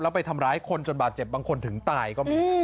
แล้วไปทำร้ายคนจนบาดเจ็บบางคนถึงตายก็มี